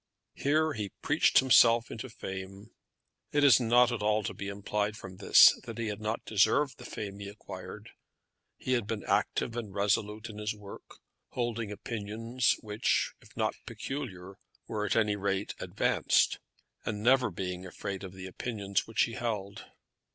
Here he preached himself into fame. It is not at all to be implied from this that he had not deserved the fame he acquired. He had been active and resolute in his work, holding opinions which, if not peculiar, were at any rate advanced, and never being afraid of the opinions which he held.